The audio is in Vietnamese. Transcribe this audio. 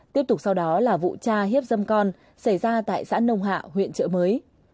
tiếp tục sau đó là vụ cha hiếp dâm con xảy ra tại xã nông hạ huyện trợ mới